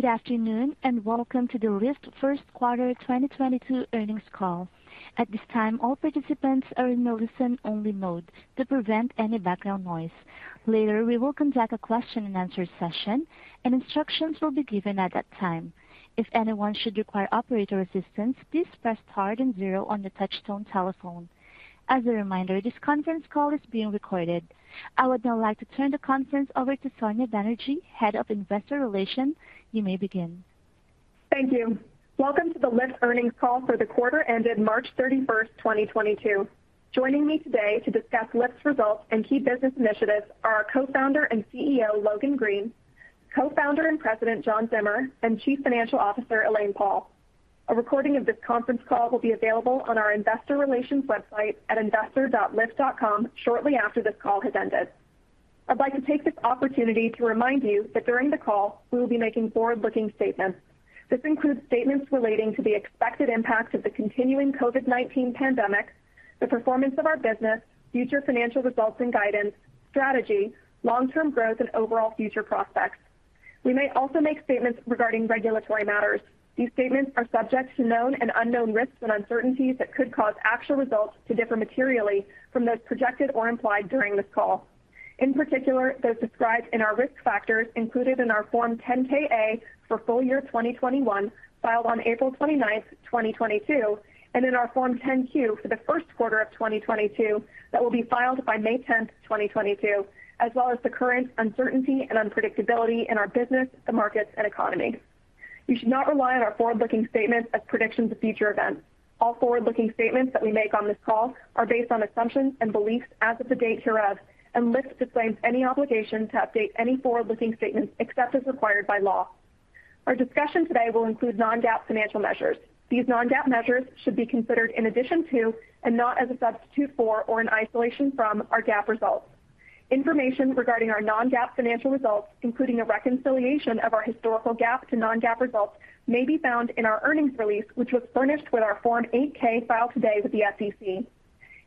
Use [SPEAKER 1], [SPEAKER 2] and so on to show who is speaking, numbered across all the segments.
[SPEAKER 1] Good afternoon, and welcome to the Lyft first quarter 2022 earnings call. At this time, all participants are in a listen-only mode to prevent any background noise. Later, we will conduct a question-and-answer session, and instructions will be given at that time. If anyone should require operator assistance, please press star and zero on your touchtone telephone. As a reminder, this conference call is being recorded. I would now like to turn the conference over to Sonya Banerjee, Head of Investor Relations. You may begin.
[SPEAKER 2] Thank you. Welcome to the Lyft earnings call for the quarter ended March 31, 2022. Joining me today to discuss Lyft's results and key business initiatives are our co-founder and CEO, Logan Green, co-founder and president, John Zimmer, and Chief Financial Officer, Elaine Paul. A recording of this conference call will be available on our investor relations website at investor.lyft.com shortly after this call has ended. I'd like to take this opportunity to remind you that during the call, we will be making forward-looking statements. This includes statements relating to the expected impact of the continuing COVID-19 pandemic, the performance of our business, future financial results and guidance, strategy, long-term growth, and overall future prospects. We may also make statements regarding regulatory matters. These statements are subject to known and unknown risks and uncertainties that could cause actual results to differ materially from those projected or implied during this call. In particular, those described in our risk factors included in our Form 10-K/A for full-year 2021, filed on April 29, 2022, and in our Form 10-Q for the first quarter of 2022, that will be filed by May 10, 2022, as well as the current uncertainty and unpredictability in our business, the markets, and economy. You should not rely on our forward-looking statements as predictions of future events. All forward-looking statements that we make on this call are based on assumptions and beliefs as of the date hereof, and Lyft disclaims any obligation to update any forward-looking statements except as required by law. Our discussion today will include non-GAAP financial measures. These non-GAAP measures should be considered in addition to, and not as a substitute for or in isolation from, our GAAP results. Information regarding our non-GAAP financial results, including a reconciliation of our historical GAAP to non-GAAP results, may be found in our earnings release, which was furnished with our Form 8-K filed today with the SEC.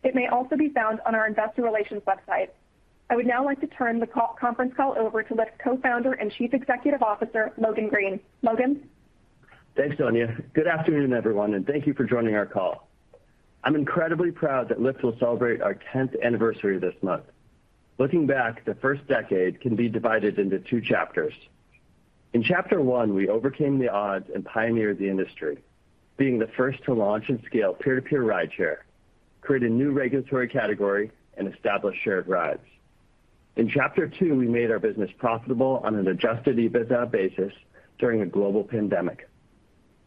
[SPEAKER 2] It may also be found on our investor relations website. I would now like to turn the conference call over to Lyft Co-founder and Chief Executive Officer, Logan Green. Logan?
[SPEAKER 3] Thanks, Sonya. Good afternoon, everyone, and thank you for joining our call. I'm incredibly proud that Lyft will celebrate our tenth anniversary this month. Looking back, the first decade can be divided into two chapters. In chapter one, we overcame the odds and pioneered the industry, being the first to launch and scale peer-to-peer rideshare, create a new regulatory category, and establish shared rides. In chapter two, we made our business profitable on an adjusted EBITDA basis during a global pandemic.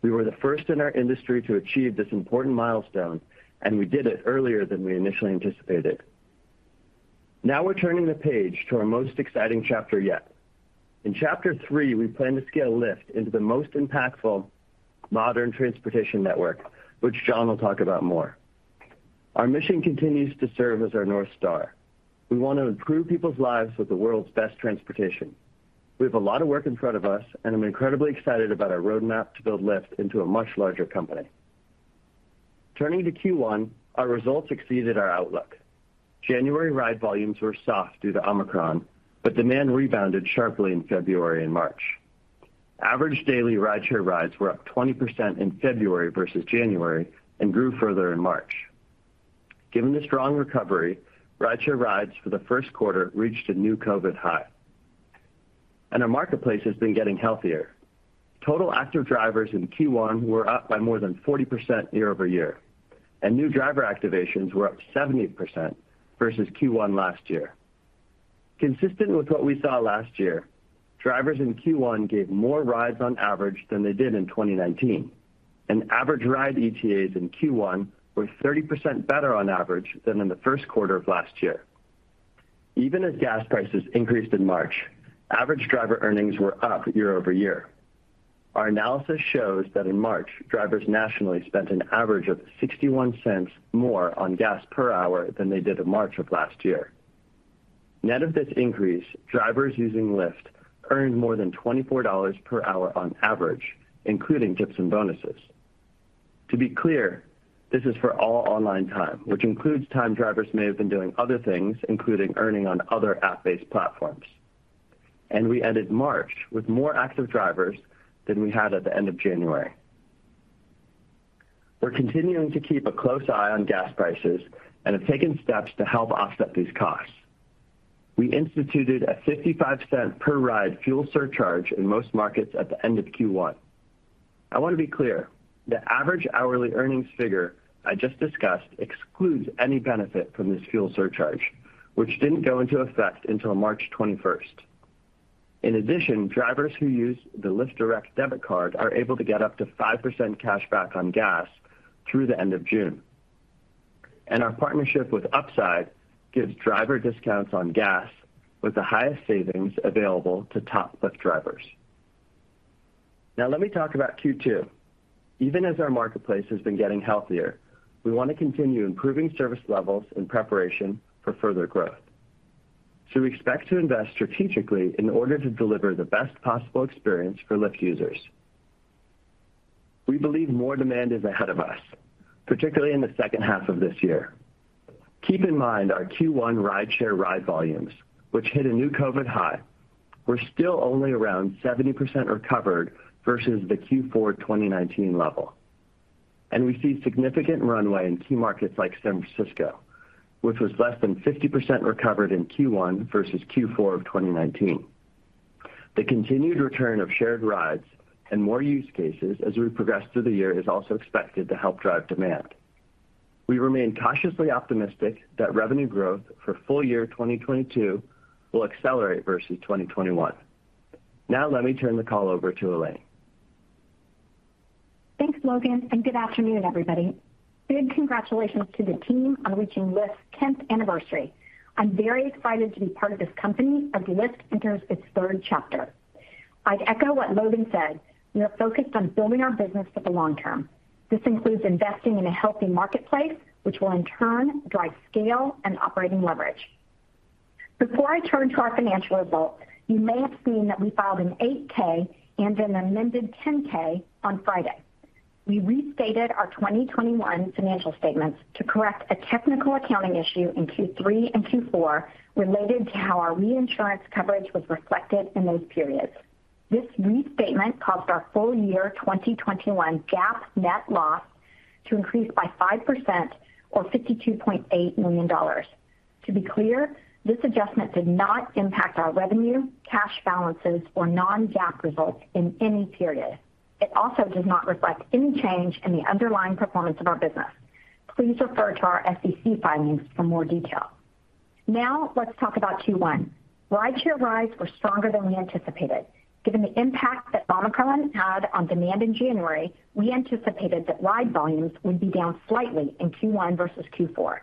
[SPEAKER 3] We were the first in our industry to achieve this important milestone, and we did it earlier than we initially anticipated. Now we're turning the page to our most exciting chapter yet. In chapter three, we plan to scale Lyft into the most impactful modern transportation network, which John will talk about more. Our mission continues to serve as our North Star. We want to improve people's lives with the world's best transportation. We have a lot of work in front of us, and I'm incredibly excited about our roadmap to build Lyft into a much larger company. Turning to Q1, our results exceeded our outlook. January ride volumes were soft due to Omicron, but demand rebounded sharply in February and March. Average daily rideshare rides were up 20% in February versus January and grew further in March. Given the strong recovery, rideshare rides for the first quarter reached a new COVID high. Our marketplace has been getting healthier. Total active drivers in Q1 were up by more than 40% year-over-year, and new driver activations were up 70% versus Q1 last year. Consistent with what we saw last year, drivers in Q1 gave more rides on average than they did in 2019. Average ride ETAs in Q1 were 30% better on average than in the first quarter of last year. Even as gas prices increased in March, average driver earnings were up year-over-year. Our analysis shows that in March, drivers nationally spent an average of $0.61 more on gas per hour than they did in March of last year. Net of this increase, drivers using Lyft earned more than $24 per hour on average, including tips and bonuses. To be clear, this is for all online time, which includes time drivers may have been doing other things, including earning on other app-based platforms. We ended March with more active drivers than we had at the end of January. We're continuing to keep a close eye on gas prices and have taken steps to help offset these costs. We instituted a $0.55 per ride fuel surcharge in most markets at the end of Q1. I want to be clear, the average hourly earnings figure I just discussed excludes any benefit from this fuel surcharge, which didn't go into effect until March 21. In addition, drivers who use the Lyft Direct debit card are able to get up to 5% cashback on gas through the end of June. Our partnership with Upside gives driver discounts on gas with the highest savings available to top Lyft drivers. Now let me talk about Q2. Even as our marketplace has been getting healthier, we wanna continue improving service levels in preparation for further growth. We expect to invest strategically in order to deliver the best possible experience for Lyft users. We believe more demand is ahead of us, particularly in the second half of this year. Keep in mind our Q1 rideshare ride volumes, which hit a new COVID high, were still only around 70% recovered versus the Q4 2019 level. We see significant runway in key markets like San Francisco, which was less than 50% recovered in Q1 versus Q4 of 2019. The continued return of shared rides and more use cases as we progress through the year is also expected to help drive demand. We remain cautiously optimistic that revenue growth for full-year 2022 will accelerate versus 2021. Now let me turn the call over to Elaine.
[SPEAKER 4] Thanks, Logan, and good afternoon, everybody. Big congratulations to the team on reaching Lyft's tenth anniversary. I'm very excited to be part of this company as Lyft enters its third chapter. I'd echo what Logan said. We are focused on building our business for the long term. This includes investing in a healthy marketplace, which will in turn drive scale and operating leverage. Before I turn to our financial results, you may have seen that we filed an 8-K and an amended 10-K/A on Friday. We restated our 2021 financial statements to correct a technical accounting issue in Q3 and Q4 related to how our reinsurance coverage was reflected in those periods. This restatement caused our full-year 2021 GAAP net loss to increase by 5% or $52.8 million. To be clear, this adjustment did not impact our revenue, cash balances or non-GAAP results in any period. It also does not reflect any change in the underlying performance of our business. Please refer to our SEC filings for more detail. Now let's talk about Q1. Rideshare rides were stronger than we anticipated. Given the impact that Omicron had on demand in January, we anticipated that ride volumes would be down slightly in Q1 versus Q4.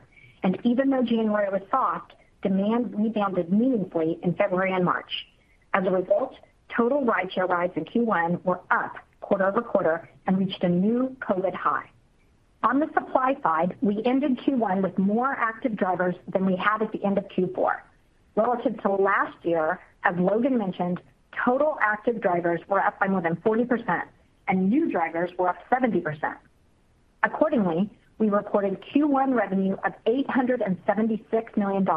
[SPEAKER 4] Even though January was soft, demand rebounded meaningfully in February and March. As a result, total rideshare rides in Q1 were up quarter-over-quarter and reached a new COVID high. On the supply side, we ended Q1 with more active drivers than we had at the end of Q4. Relative to last year, as Logan mentioned, total active drivers were up by more than 40% and new drivers were up 70%. Accordingly, we reported Q1 revenue of $876 million,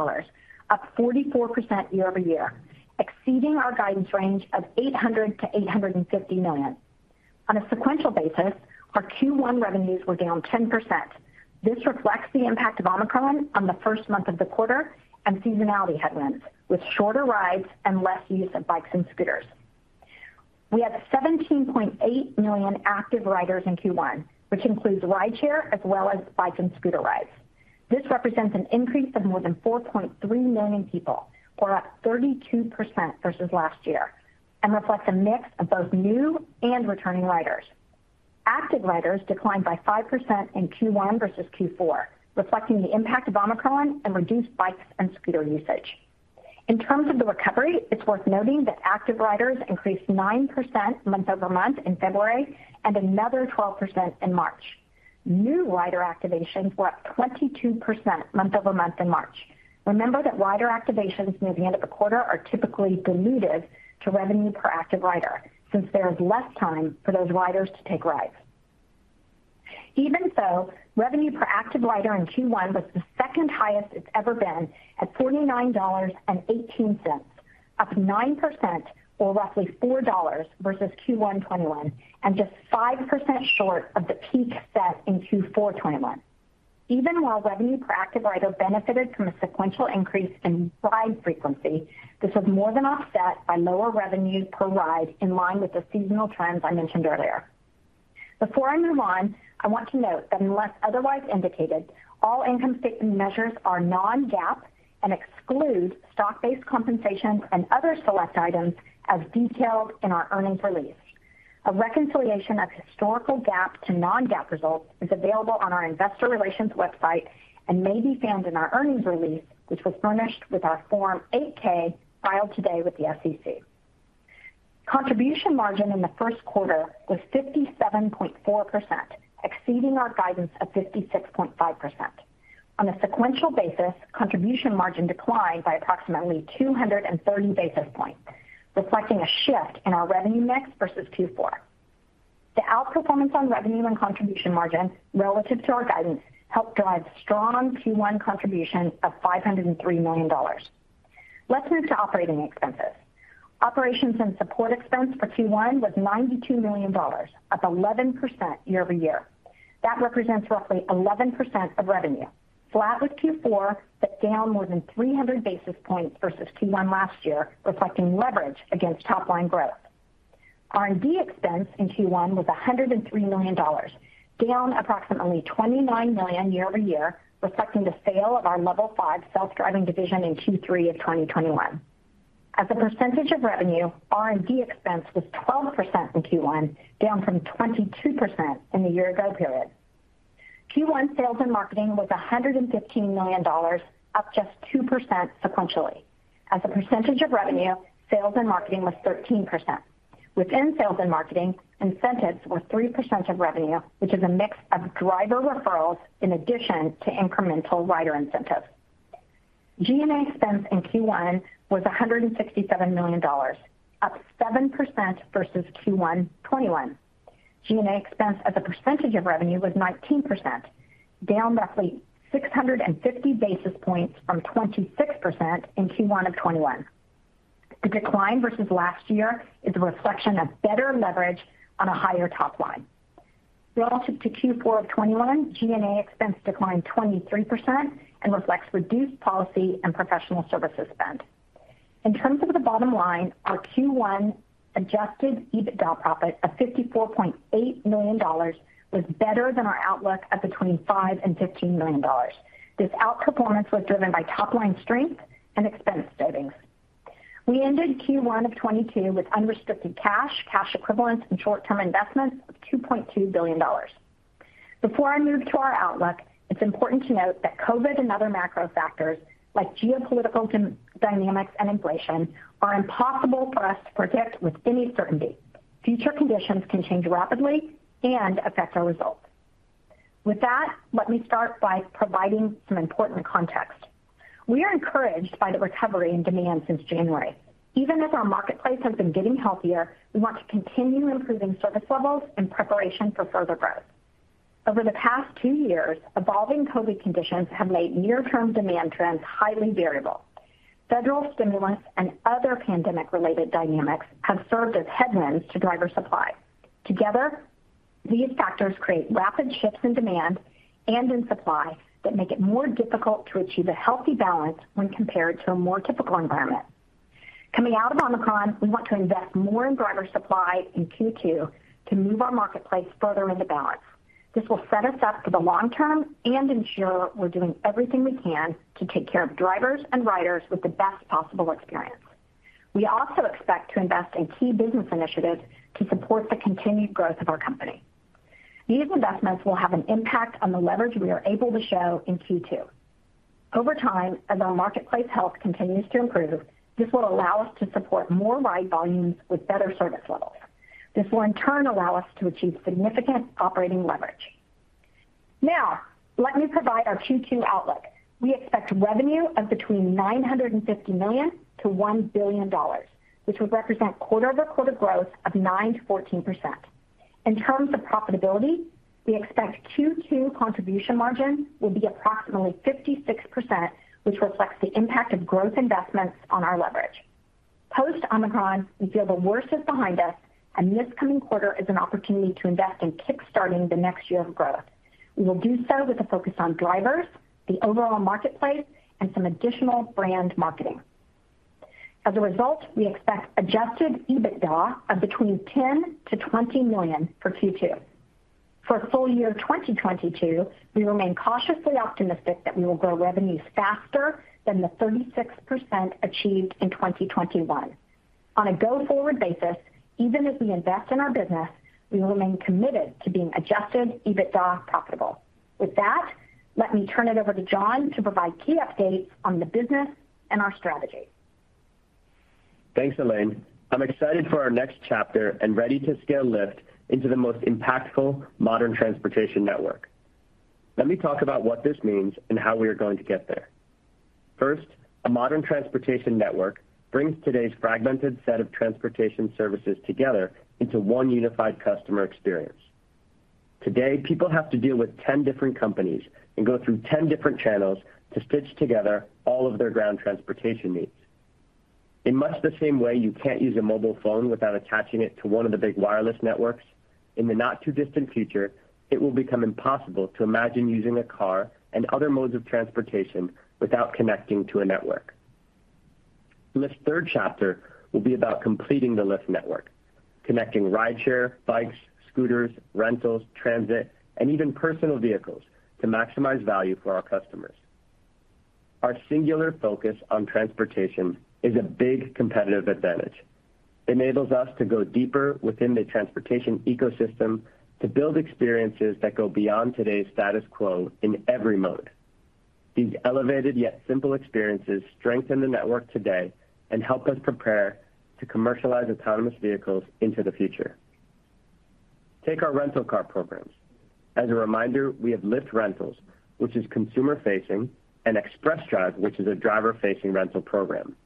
[SPEAKER 4] up 44% year-over-year, exceeding our guidance range of $800 million-$850 million. On a sequential basis, our Q1 revenues were down 10%. This reflects the impact of Omicron on the first month of the quarter and seasonality headwinds with shorter rides and less use of bikes and scooters. We had 17.8 million active riders in Q1, which includes rideshare as well as bike and scooter rides. This represents an increase of more than 4.3 million people or up 32% versus last year and reflects a mix of both new and returning riders. Active riders declined by 5% in Q1 versus Q4, reflecting the impact of Omicron and reduced bikes and scooter usage. In terms of the recovery, it's worth noting that active riders increased 9% month-over-month in February and another 12% in March. New rider activations were up 22% month-over-month in March. Remember that rider activations near the end of the quarter are typically diluted to revenue per active rider since there is less time for those riders to take rides. Even so, revenue per active rider in Q1 was the second highest it's ever been at $49.18, up 9% or roughly $4 versus Q1 2021, and just 5% short of the peak set in Q4 2021. Even while revenue per active rider benefited from a sequential increase in ride frequency, this was more than offset by lower revenue per ride in line with the seasonal trends I mentioned earlier. Before I move on, I want to note that unless otherwise indicated, all income statement measures are non-GAAP and exclude stock-based compensation and other select items as detailed in our earnings release. A reconciliation of historical GAAP to non-GAAP results is available on our investor relations website and may be found in our earnings release, which was furnished with our Form 8-K filed today with the SEC. Contribution margin in the first quarter was 57.4%, exceeding our guidance of 56.5%. On a sequential basis, contribution margin declined by approximately 230 basis points, reflecting a shift in our revenue mix versus Q4. The outperformance on revenue and contribution margin relative to our guidance helped drive strong Q1 contribution of $503 million. Let's move to operating expenses. Operations and support expense for Q1 was $92 million, up 11% year over year. That represents roughly 11% of revenue, flat with Q4, but down more than 300 basis points versus Q1 last year, reflecting leverage against top line growth. R&D expense in Q1 was $103 million, down approximately $29 million year over year, reflecting the sale of our Level five self-driving division in Q3 of 2021. As a percentage of revenue, R&D expense was 12% in Q1, down from 22% in the year ago period. Q1 sales and marketing was $115 million, up just 2% sequentially. As a percentage of revenue, sales and marketing was 13%. Within sales and marketing, incentives were 3% of revenue, which is a mix of driver referrals in addition to incremental rider incentives. G&A expense in Q1 was $167 million, up 7% versus Q1 2021. G&A expense as a percentage of revenue was 19%, down roughly 650 basis points from 26% in Q1 of 2021. The decline versus last year is a reflection of better leverage on a higher top line. Relative to Q4 of 2021, G&A expense declined 23% and reflects reduced policy and professional services spend. In terms of the bottom line, our Q1 adjusted EBITDA profit of $54.8 million was better than our outlook of between $5 million and $15 million. This outperformance was driven by top line strength and expense savings. We ended Q1 of 2022 with unrestricted cash equivalents, and short-term investments of $2.2 billion. Before I move to our outlook, it's important to note that COVID and other macro factors, like geopolitical conditions and dynamics and inflation, are impossible for us to predict with any certainty. Future conditions can change rapidly and affect our results. With that, let me start by providing some important context. We are encouraged by the recovery in demand since January. Even as our marketplace has been getting healthier, we want to continue improving service levels in preparation for further growth. Over the past two years, evolving COVID conditions have made near-term demand trends highly variable. Federal stimulus and other pandemic-related dynamics have served as headwinds to driver supply. Together, these factors create rapid shifts in demand and in supply that make it more difficult to achieve a healthy balance when compared to a more typical environment. Coming out of Omicron, we want to invest more in driver supply in Q2 to move our marketplace further into balance. This will set us up for the long term and ensure we're doing everything we can to take care of drivers and riders with the best possible experience. We also expect to invest in key business initiatives to support the continued growth of our company. These investments will have an impact on the leverage we are able to show in Q2. Over time, as our marketplace health continues to improve, this will allow us to support more ride volumes with better service levels. This will in turn allow us to achieve significant operating leverage. Now, let me provide our Q2 outlook. We expect revenue of between $950 million-$1 billion, which would represent quarter-over-quarter growth of 9%-14%. In terms of profitability, we expect Q2 contribution margin will be approximately 56%, which reflects the impact of growth investments on our leverage. Post Omicron, we feel the worst is behind us, and this coming quarter is an opportunity to invest in kick-starting the next year of growth. We will do so with a focus on drivers, the overall marketplace, and some additional brand marketing. As a result, we expect adjusted EBITDA of between $10 million-$20 million for Q2. For full-year 2022, we remain cautiously optimistic that we will grow revenues faster than the 36% achieved in 2021. On a go-forward basis, even as we invest in our business, we will remain committed to being adjusted EBITDA profitable. With that, let me turn it over to John to provide key updates on the business and our strategy.
[SPEAKER 5] Thanks, Elaine. I'm excited for our next chapter and ready to scale Lyft into the most impactful modern transportation network. Let me talk about what this means and how we are going to get there. First, a modern transportation network brings today's fragmented set of transportation services together into one unified customer experience. Today, people have to deal with 10 different companies and go through 10 different channels to stitch together all of their ground transportation needs. In much the same way you can't use a mobile phone without attaching it to one of the big wireless networks, in the not-too-distant future, it will become impossible to imagine using a car and other modes of transportation without connecting to a network. Lyft's third chapter will be about completing the Lyft network, connecting rideshare, bikes, scooters, rentals, transit, and even personal vehicles to maximize value for our customers. Our singular focus on transportation is a big competitive advantage. It enables us to go deeper within the transportation ecosystem to build experiences that go beyond today's status quo in every mode. These elevated yet simple experiences strengthen the network today and help us prepare to commercialize autonomous vehicles into the future. Take our rental car programs. As a reminder, we have Lyft Rentals, which is consumer-facing, and Express Drive, which is a driver-facing rental program.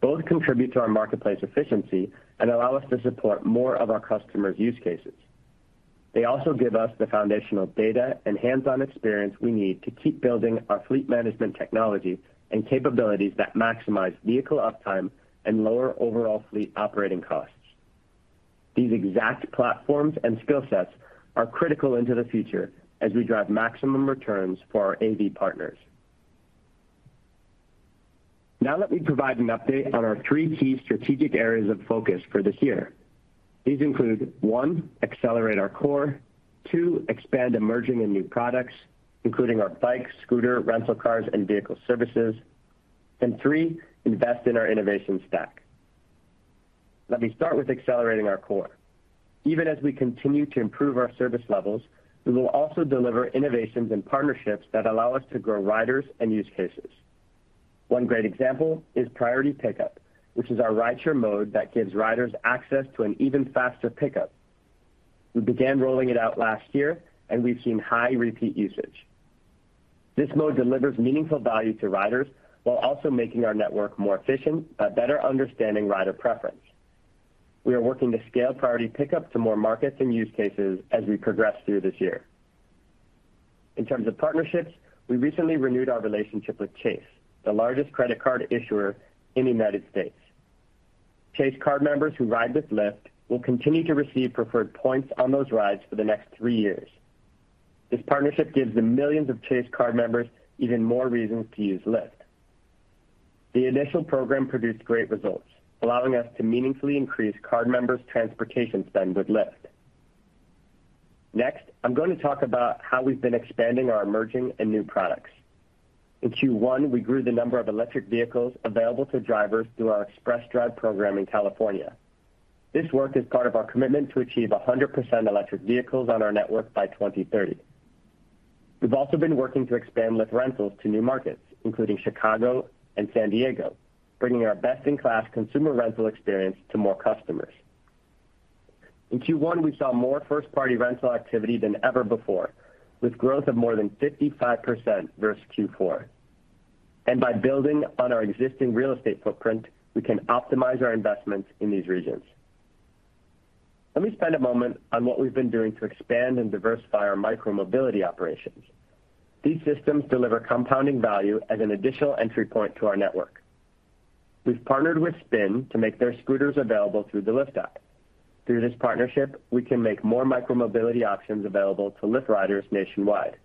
[SPEAKER 5] Both contribute to our marketplace efficiency and allow us to support more of our customers' use cases. They also give us the foundational data and hands-on experience we need to keep building our fleet management technology and capabilities that maximize vehicle uptime and lower overall fleet operating costs. These exact platforms and skill sets are critical into the future as we drive maximum returns for our AV partners. Now let me provide an update on our three key strategic areas of focus for this year. These include, one, accelerate our core. Two, expand emerging and new products, including our bike, scooter, rental cars, and vehicle services. Three, invest in our innovation stack. Let me start with accelerating our core. Even as we continue to improve our service levels, we will also deliver innovations and partnerships that allow us to grow riders and use cases. One great example is Priority Pickup, which is our rideshare mode that gives riders access to an even faster pickup. We began rolling it out last year, and we've seen high repeat usage. This mode delivers meaningful value to riders while also making our network more efficient by better understanding rider preference. We are working to scale Priority Pickup to more markets and use cases as we progress through this year. In terms of partnerships, we recently renewed our relationship with Chase, the largest credit card issuer in the United States. Chase card members who ride with Lyft will continue to receive preferred points on those rides for the next three years. This partnership gives the millions of Chase card members even more reasons to use Lyft. The initial program produced great results, allowing us to meaningfully increase card members' transportation spend with Lyft. Next, I'm going to talk about how we've been expanding our emerging and new products. In Q1, we grew the number of electric vehicles available to drivers through our Express Drive program in California. This work is part of our commitment to achieve 100% electric vehicles on our network by 2030. We've also been working to expand Lyft Rentals to new markets, including Chicago and San Diego, bringing our best-in-class consumer rental experience to more customers. In Q1, we saw more first-party rental activity than ever before, with growth of more than 55% versus Q4. By building on our existing real estate footprint, we can optimize our investments in these regions. Let me spend a moment on what we've been doing to expand and diversify our micro-mobility operations. These systems deliver compounding value as an additional entry point to our network. We've partnered with Spin to make their scooters available through the Lyft app. Through this partnership, we can make more micro-mobility options available to Lyft riders nationwide.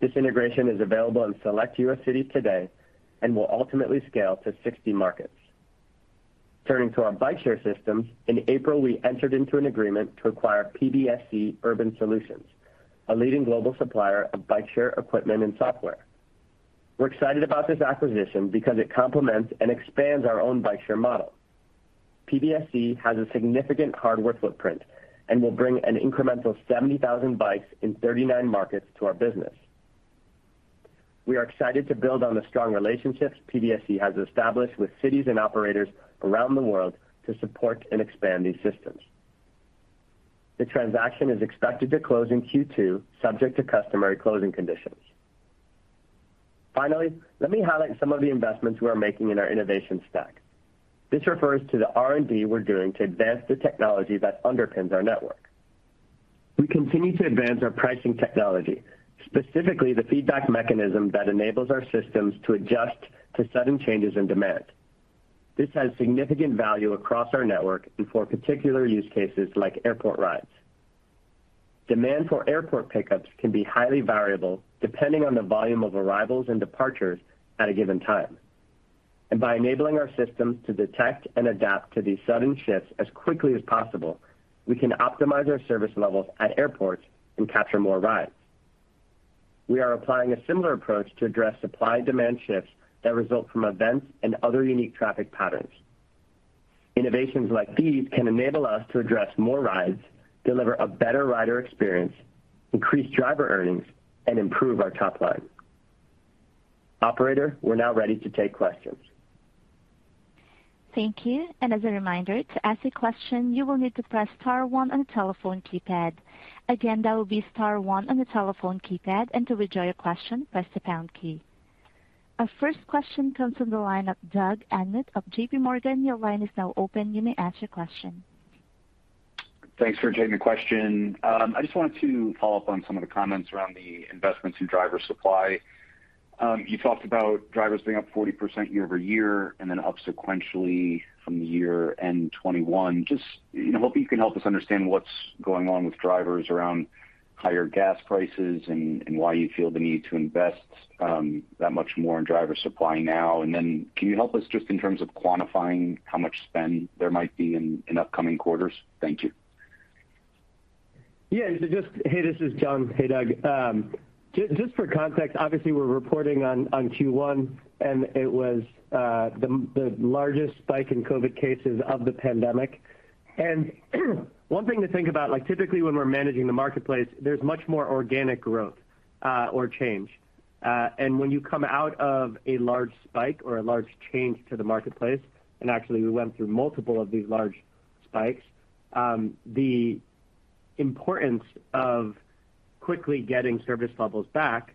[SPEAKER 5] This integration is available in select U.S. cities today and will ultimately scale to 60 markets. Turning to our bike share systems, in April, we entered into an agreement to acquire PBSC Urban Solutions, a leading global supplier of bike share equipment and software. We're excited about this acquisition because it complements and expands our own bike share model. PBSC has a significant hardware footprint and will bring an incremental 70,000 bikes in 39 markets to our business. We are excited to build on the strong relationships PBSC has established with cities and operators around the world to support and expand these systems. The transaction is expected to close in Q2, subject to customary closing conditions. Finally, let me highlight some of the investments we're making in our innovation stack. This refers to the R&D we're doing to advance the technology that underpins our network. We continue to advance our pricing technology, specifically the feedback mechanism that enables our systems to adjust to sudden changes in demand. This has significant value across our network and for particular use cases like airport rides. Demand for airport pickups can be highly variable depending on the volume of arrivals and departures at a given time. By enabling our systems to detect and adapt to these sudden shifts as quickly as possible, we can optimize our service levels at airports and capture more rides. We are applying a similar approach to address supply-demand shifts that result from events and other unique traffic patterns. Innovations like these can enable us to address more rides, deliver a better rider experience, increase driver earnings, and improve our top line. Operator, we're now ready to take questions.
[SPEAKER 1] Thank you. As a reminder, to ask a question, you will need to press star one on your telephone keypad. Again, that will be star one on your telephone keypad, and to withdraw your question, press the pound key. Our first question comes from the line of Doug Anmuth of JP Morgan. Your line is now open. You may ask your question.
[SPEAKER 6] Thanks for taking the question. I just wanted to follow up on some of the comments around the investments in driver supply. You talked about drivers being up 40% year-over-year and then up sequentially from Q1 2021. Just, you know, hoping you can help us understand what's going on with drivers around higher gas prices and why you feel the need to invest that much more in driver supply now. Can you help us just in terms of quantifying how much spend there might be in upcoming quarters? Thank you.
[SPEAKER 5] Yeah. Hey, this is John. Hey, Doug. Just for context, obviously, we're reporting on Q1, and it was the largest spike in COVID cases of the pandemic. One thing to think about, like, typically, when we're managing the marketplace, there's much more organic growth or change. When you come out of a large spike or a large change to the marketplace, and actually we went through multiple of these large spikes, the importance of quickly getting service levels back,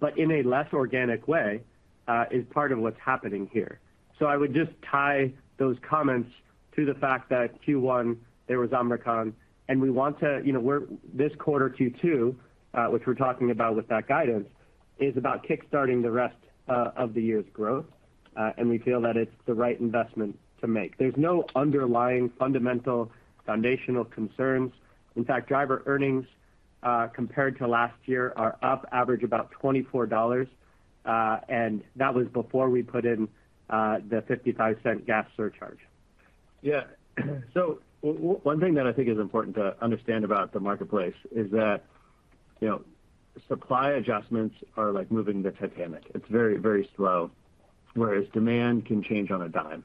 [SPEAKER 5] but in a less organic way, is part of what's happening here. I would just tie those comments to the fact that Q1, there was Omicron, and we want to, you know, this quarter, Q2, which we're talking about with that guidance, is about kick-starting the rest of the year's growth, and we feel that it's the right investment to make. There's no underlying fundamental foundational concerns. In fact, driver earnings compared to last year are up average about $24, and that was before we put in the $0.55 gas surcharge.
[SPEAKER 3] One thing that I think is important to understand about the marketplace is that, you know, supply adjustments are like moving the Titanic. It's very, very slow, whereas demand can change on a dime.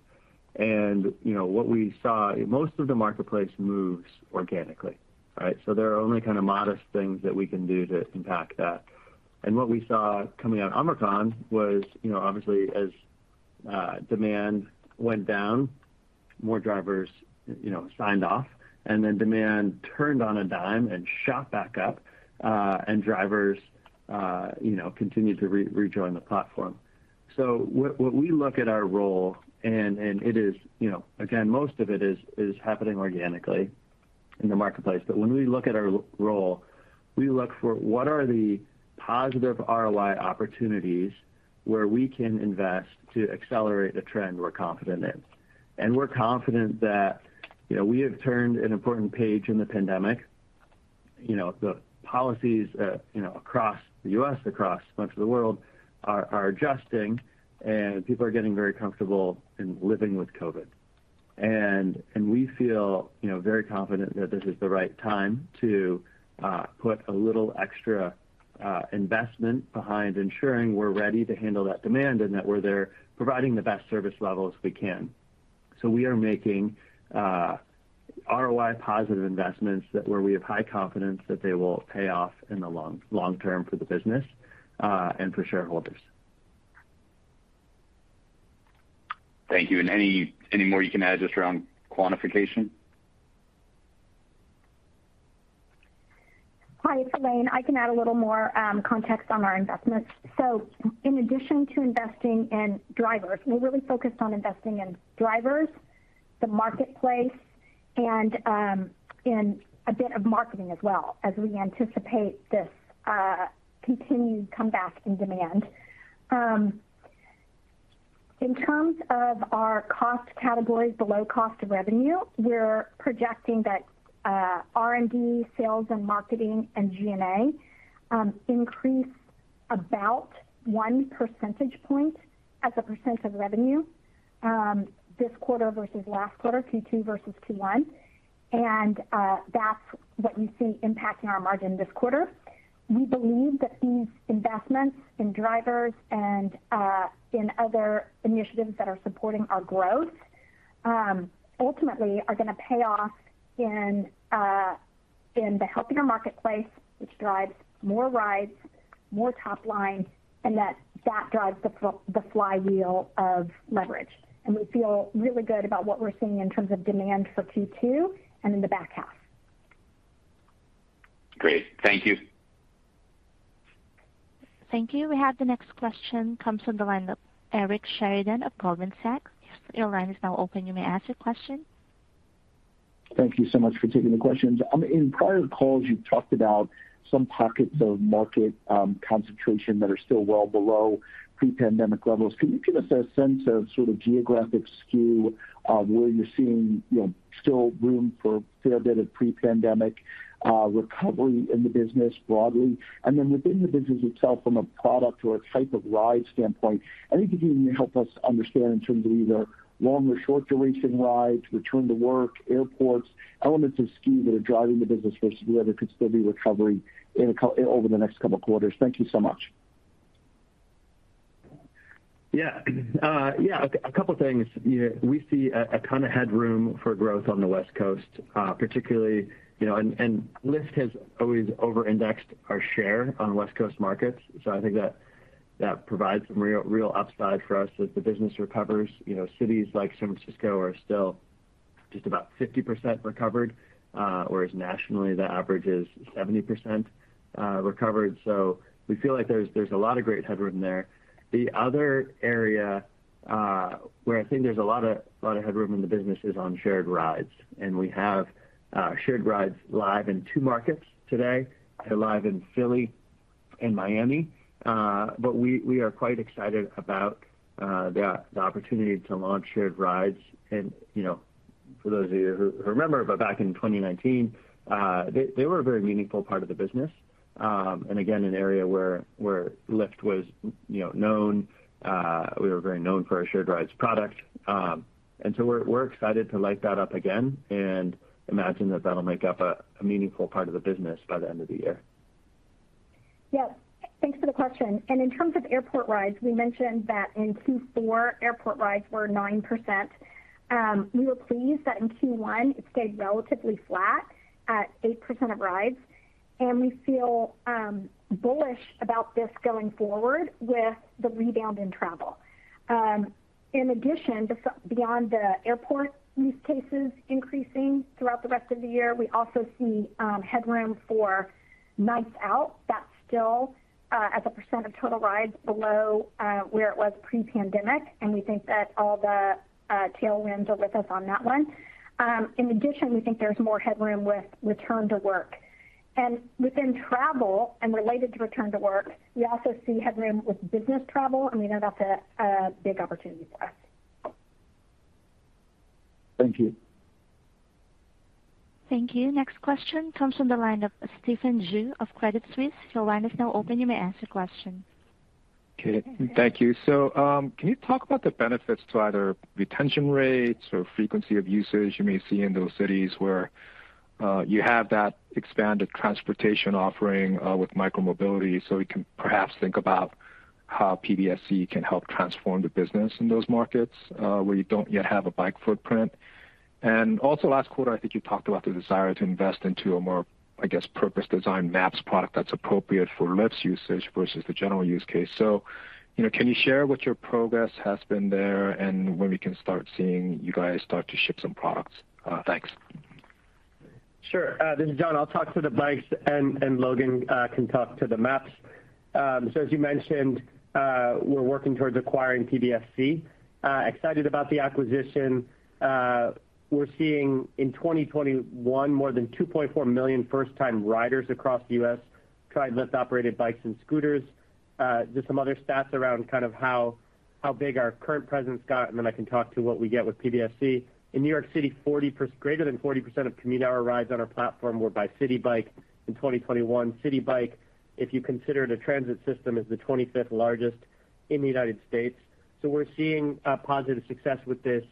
[SPEAKER 3] You know, what we saw, most of the marketplace moves organically, right? There are only kind of modest things that we can do to impact that. What we saw coming out of Omicron was, you know, obviously as- Demand went down, more drivers, you know, signed off, and then demand turned on a dime and shot back up, and drivers, you know, continued to rejoin the platform. When we look at our role and it is, you know, again, most of it is happening organically in the marketplace. When we look at our role, we look for what are the positive ROI opportunities where we can invest to accelerate the trend we're confident in. We're confident that, you know, we have turned an important page in the pandemic. You know, the policies, you know, across the U.S., across much of the world are adjusting, and people are getting very comfortable in living with COVID. We feel, you know, very confident that this is the right time to put a little extra investment behind ensuring we're ready to handle that demand and that we're there providing the best service levels we can. We are making ROI-positive investments that where we have high confidence that they will pay off in the long term for the business and for shareholders.
[SPEAKER 6] Thank you. Any more you can add just around quantification?
[SPEAKER 4] Hi, it's Elaine. I can add a little more context on our investments. In addition to investing in drivers, we really focused on investing in drivers, the marketplace, and in a bit of marketing as well, as we anticipate this continued comeback in demand. In terms of our cost categories below cost of revenue, we're projecting that R&D, sales and marketing, and G&A increase about one percentage point as a percent of revenue this quarter versus last quarter, Q2 versus Q1. That's what you see impacting our margin this quarter. We believe that these investments in drivers and in other initiatives that are supporting our growth ultimately are gonna pay off in the healthier marketplace, which drives more rides, more top line, and that drives the flywheel of leverage. We feel really good about what we're seeing in terms of demand for Q2 and in the back half.
[SPEAKER 6] Great. Thank you.
[SPEAKER 1] Thank you. We have the next question comes from the line of Eric Sheridan of Goldman Sachs. Your line is now open. You may ask your question.
[SPEAKER 7] Thank you so much for taking the questions. In prior calls, you talked about some pockets of market concentration that are still well below pre-pandemic levels. Can you give us a sense of sort of geographic skew of where you're seeing, you know, still room for a fair bit of pre-pandemic recovery in the business broadly? And then within the business itself, from a product or a type of ride standpoint, anything you can help us understand in terms of either long or short-duration rides, return to work, airports, elements of skew that are driving the business versus where there could still be recovery over the next couple of quarters. Thank you so much.
[SPEAKER 3] Yeah. Yeah, a couple of things. You know, we see a ton of headroom for growth on the West Coast, particularly, you know. Lyft has always over-indexed our share on West Coast markets. I think that provides some real upside for us as the business recovers. You know, cities like San Francisco are still just about 50% recovered, whereas nationally, the average is 70% recovered. We feel like there's a lot of great headroom there. The other area where I think there's a lot of headroom in the business is on Shared rides. We have Shared rides live in two markets today. They're live in Philly and Miami. We are quite excited about the opportunity to launch Shared rides. You know, for those of you who remember, but back in 2019, they were a very meaningful part of the business. Again, an area where Lyft was, you know, known. We were very known for our Shared Rides product. We're excited to light that up again and imagine that that'll make up a meaningful part of the business by the end of the year.
[SPEAKER 4] Yeah. Thanks for the question. In terms of airport rides, we mentioned that in Q4, airport rides were 9%. We were pleased that in Q1, it stayed relatively flat at 8% of rides. We feel bullish about this going forward with the rebound in travel. In addition, beyond the airport use cases increasing throughout the rest of the year, we also see headroom for nights out. That's still as a % of total rides below where it was pre-pandemic, and we think that all the tailwinds are with us on that one. In addition, we think there's more headroom with return to work. Within travel and related to return to work, we also see headroom with business travel, and we know that's a big opportunity for us.
[SPEAKER 7] Thank you.
[SPEAKER 1] Thank you. Next question comes from the line of Stephen Ju of Credit Suisse. Your line is now open. You may ask your question.
[SPEAKER 8] Okay. Thank you. Can you talk about the benefits to either retention rates or frequency of usage you may see in those cities where you have that expanded transportation offering with micromobility, so we can perhaps think about how PBSC can help transform the business in those markets where you don't yet have a bike footprint? Also last quarter, I think you talked about the desire to invest into a more, I guess, purpose-designed Maps product that's appropriate for Lyft's usage versus the general use case. You know, can you share what your progress has been there and when we can start seeing you guys start to ship some products? Thanks.
[SPEAKER 5] Sure. This is John. I'll talk to the bikes and Logan can talk to the maps. As you mentioned, we're working towards acquiring PBSC. Excited about the acquisition. We're seeing in 2021 more than 2.4 million first-time riders across the U.S. try Lyft-operated bikes and scooters. Just some other stats around kind of how big our current presence got, and then I can talk to what we get with PBSC. In New York City, greater than 40% of commute hour rides on our platform were by Citi Bike in 2021. Citi Bike, if you consider it a transit system, is the 25th largest in the United States. We're seeing positive success with this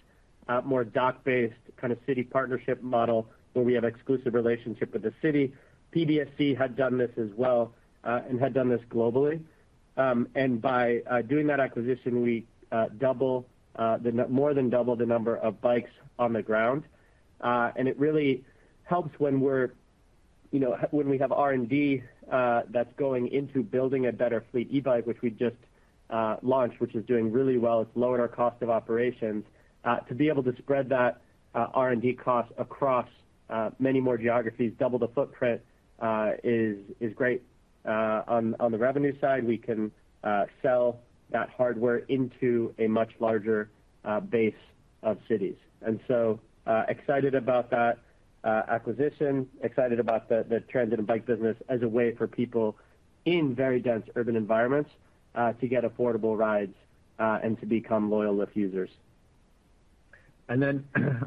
[SPEAKER 5] more dock-based kind of city partnership model where we have exclusive relationship with the city. PBSC had done this as well and had done this globally. By doing that acquisition, we more than double the number of bikes on the ground. It really helps when we're, you know, when we have R&D that's going into building a better fleet e-bike, which we just launched, which is doing really well. It's lowering our cost of operations to be able to spread that R&D cost across many more geographies, double the footprint, is great. On the revenue side, we can sell that hardware into a much larger base of cities. Excited about that acquisition, excited about the transit and bike business as a way for people in very dense urban environments to get affordable rides and to become loyal Lyft users.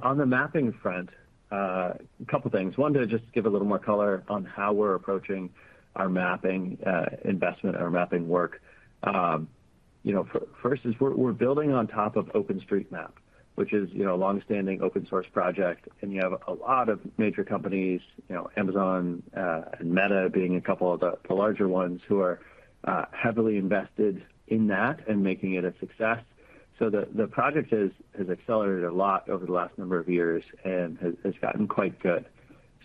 [SPEAKER 3] On the mapping front, a couple things. One, to just give a little more color on how we're approaching our mapping investment, our mapping work. First is we're building on top of OpenStreetMap, which is a long-standing open-source project, and you have a lot of major companies, you know, Amazon and Meta being a couple of the larger ones who are heavily invested in that and making it a success. The project has accelerated a lot over the last number of years and has gotten quite good.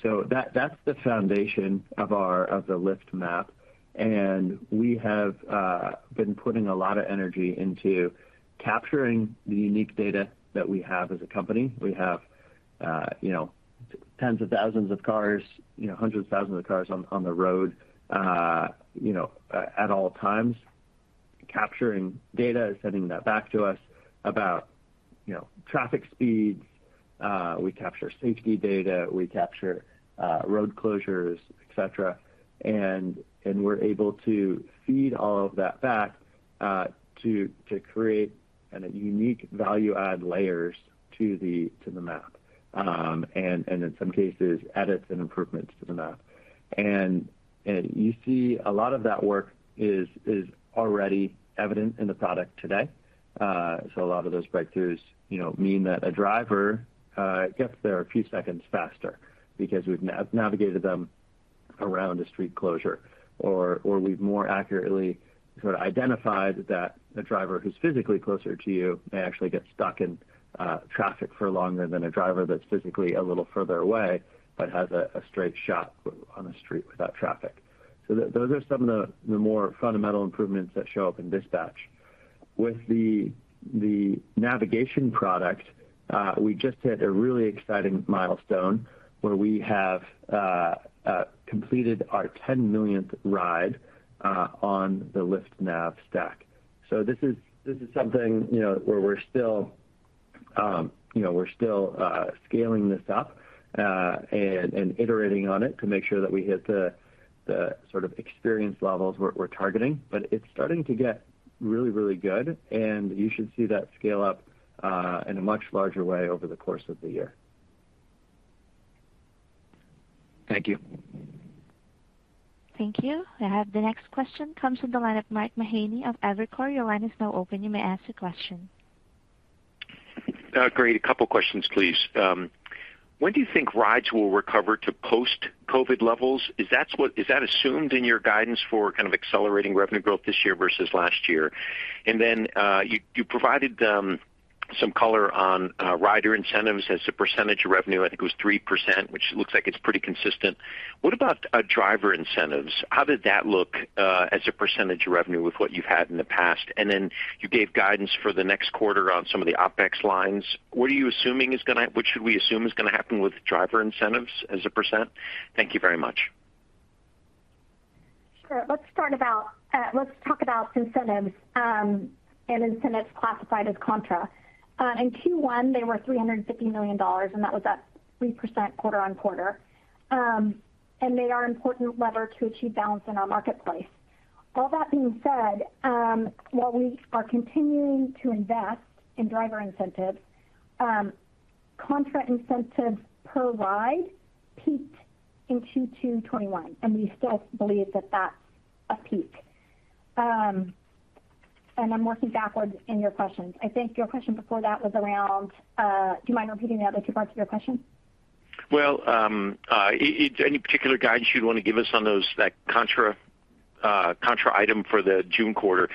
[SPEAKER 3] That's the foundation of our of the Lyft Map. We have been putting a lot of energy into capturing the unique data that we have as a company. We have you know tens of thousands of cars you know hundreds of thousands of cars on the road you know at all times capturing data and sending that back to us about you know traffic speeds. We capture safety data, we capture road closures, et cetera. We're able to feed all of that back to create kind of unique value add layers to the map. In some cases, edits and improvements to the map. You see a lot of that work is already evident in the product today. A lot of those breakthroughs, you know, mean that a driver gets there a few seconds faster because we've navigated them around a street closure, or we've more accurately sort of identified that a driver who's physically closer to you may actually get stuck in traffic for longer than a driver that's physically a little further away, but has a straight shot on a street without traffic. Those are some of the more fundamental improvements that show up in Dispatch. With the navigation product, we just hit a really exciting milestone where we have completed our 10 millionth ride on the LyftNav stack. This is something, you know, where we're still scaling this up, and iterating on it to make sure that we hit the sort of experience levels we're targeting. It's starting to get really, really good, and you should see that scale up in a much larger way over the course of the year.
[SPEAKER 8] Thank you.
[SPEAKER 1] Thank you. I have the next question. Comes from the line of Mark Mahaney of Evercore. Your line is now open. You may ask your question.
[SPEAKER 9] Great. A couple questions, please. When do you think rides will recover to post-COVID levels? Is that assumed in your guidance for kind of accelerating revenue growth this year versus last year? You provided some color on rider incentives as a percentage of revenue. I think it was 3%, which looks like it's pretty consistent. What about driver incentives? How did that look as a percentage of revenue with what you've had in the past? You gave guidance for the next quarter on some of the OpEx lines. What should we assume is gonna happen with driver incentives as a percent? Thank you very much.
[SPEAKER 4] Sure. Let's talk about incentives, and incentives classified as contra. In Q1, they were $350 million, and that was up 3% quarter-on-quarter. They are an important lever to achieve balance in our marketplace. All that being said, while we are continuing to invest in driver incentives, contra incentives per ride peaked in Q2 2021, and we still believe that that's a peak. I'm working backwards in your questions. I think your question before that was around, do you mind repeating the other two parts of your question?
[SPEAKER 9] Well, any particular guidance you'd want to give us on those, that contra item for the June quarter?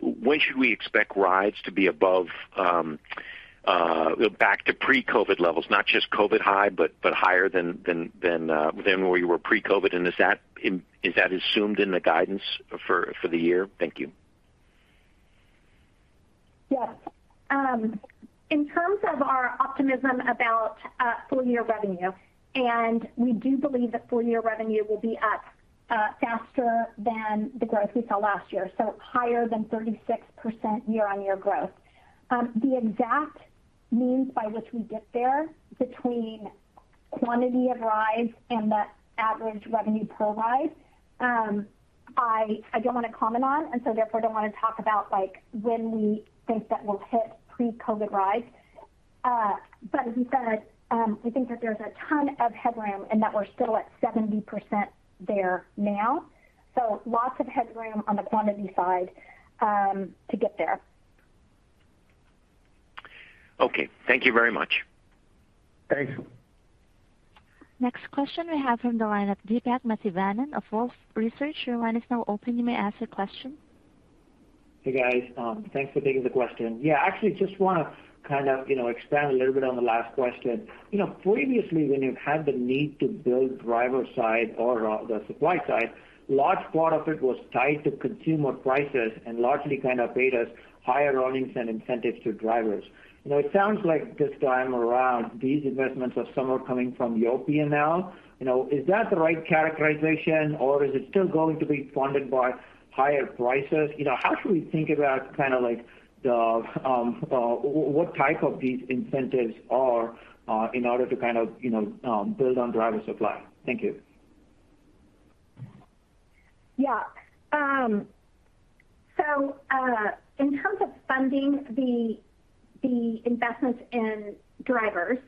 [SPEAKER 9] When should we expect rides to be above back to pre-COVID levels? Not just COVID high, but higher than where you were pre-COVID. Is that assumed in the guidance for the year? Thank you.
[SPEAKER 4] Yes. In terms of our optimism about full-year revenue, we do believe that full-year revenue will be up faster than the growth we saw last year, so higher than 36% year-on-year growth. The exact means by which we get there between quantity of rides and the average revenue per ride, I don't want to comment on, and so therefore don't want to talk about, like, when we think that we'll hit pre-COVID rides. As you said, we think that there's a ton of headroom and that we're still at 70% there now. Lots of headroom on the quantity side to get there.
[SPEAKER 9] Okay. Thank you very much.
[SPEAKER 5] Thanks.
[SPEAKER 1] Next question we have from the line of Deepak Mathivanan of Wolfe Research. Your line is now open. You may ask your question.
[SPEAKER 10] Hey, guys. Thanks for taking the question. Yeah, actually just wanna kind of, you know, expand a little bit on the last question. You know, previously when you had the need to build driver side or the supply side, large part of it was tied to consumer prices and largely kind of paid as higher earnings and incentives to drivers. You know, it sounds like this time around these investments are somewhat coming from EOP now. You know, is that the right characterization or is it still going to be funded by higher prices? You know, how should we think about kind of like the, what type of these incentives are, in order to kind of, you know, build on driver supply? Thank you.
[SPEAKER 4] Yeah. In terms of funding the investments in drivers,